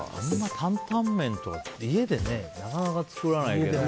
担々麺とか家でなかなか作らないけど。